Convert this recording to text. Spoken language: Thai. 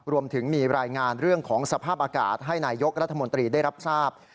รวมถึงมีรายงานเรื่องของสภาพอากาศให้นายยกรัฐมนตรีได้รับทราบ